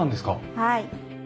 はい。